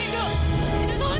tolong dengarkan penjelasan